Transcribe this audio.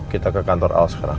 kita ke kantor al sekarang